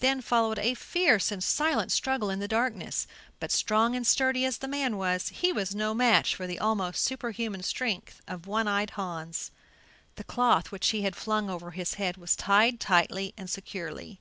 Then followed a fierce and silent struggle in the darkness, but strong and sturdy as the man was, he was no match for the almost superhuman strength of One eyed Hans. The cloth which he had flung over his head was tied tightly and securely.